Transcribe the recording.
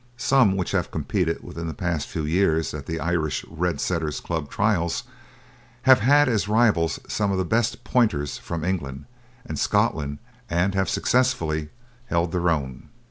Some which have competed within the past few years at the Irish Red Setter Club's trials have had as rivals some of the best Pointers from England and Scotland, and have successfully held their own.